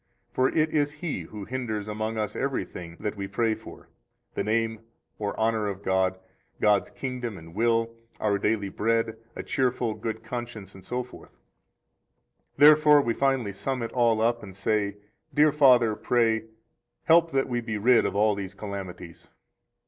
For it is he who hinders among us everything that we pray for: the name or honor of God, God's kingdom and will, our daily bread, a cheerful good conscience, etc. 114 Therefore we finally sum it all up and say: Dear Father, pray, help that we be rid of all these calamities.